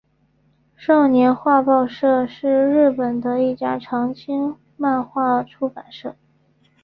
少年画报社是日本的一家长青漫画出版社。